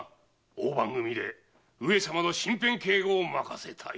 大番組で上様の身辺警護を任せたい。